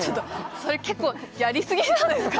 それ結構やりすぎじゃないですか？